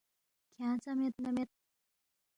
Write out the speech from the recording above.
کھیانگ ژا مید نہ مید